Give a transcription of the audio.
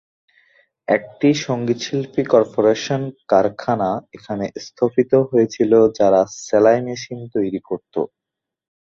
একটি "সঙ্গীতশিল্পী কর্পোরেশন" কারখানা এখানে স্থাপিত হয়েছিল যারা সেলাই মেশিন তৈরী করত।